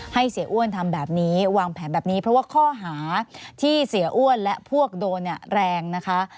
เสียอ้วนทำแบบนี้วางแผนแบบนี้เพราะว่าข้อหาที่เสียอ้วนและพวกโดนเนี่ยแรงนะคะ